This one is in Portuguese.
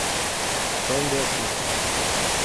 Pão de Açúcar